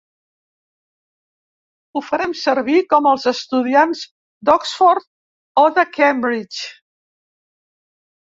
Ho farem servir com els estudiants d'Oxford o de Cambridge.